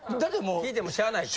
聞いてもしゃあないと。